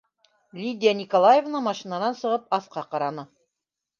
- Лидия Николаевна машинанан сығып аҫҡа ҡараны.